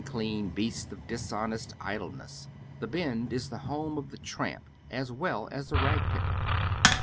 clean beast of dislionest idleness. " Tlie Bend " is the home of tlie tramp as well as the rag picker.